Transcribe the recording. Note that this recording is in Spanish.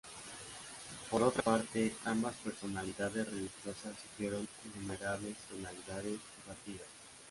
Por otra parte, ambas personalidades religiosas sufrieron innumerables penalidades y fatigas.